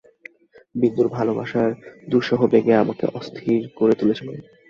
বিন্দুর ভালোবাসার দুঃসহ বেগে আমাকে অস্থির করে তুলেছিল।